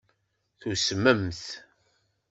Tusmemt?